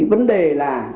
vấn đề là